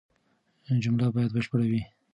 جمله بايد بشپړه وي.